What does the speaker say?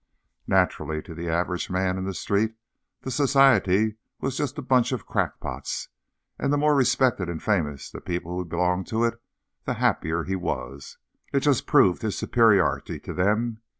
_Naturally, to the average man in the street, the Society was just a bunch of crackpots, and the more respected and famous the people who belonged to it, the happier he was; it just proved his superiority to them.